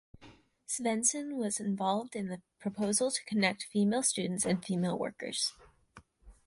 Svensson was involved in the proposal to connect female students and female workers.